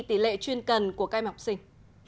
tỷ lệ chuyên cần của các em học sinh